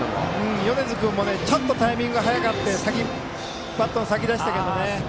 米津君もちょっとタイミングが早くてバットの先でしたけどね。